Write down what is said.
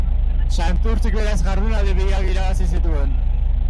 Santurtzik beraz jardunaldi biak irabazi zituen.